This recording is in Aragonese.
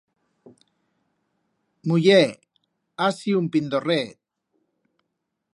Muller, ha siu un pindorret.